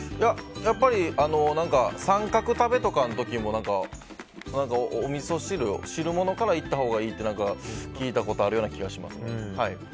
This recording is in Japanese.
やっぱり三角食べの時とかもおみそ汁、汁物からいったほうがいいと聞いたことがあるような気がします。